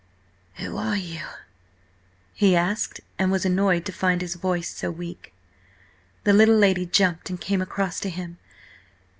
"Who–are–you?" he asked, and was annoyed to find his voice so weak. The little lady jumped, and came across to him.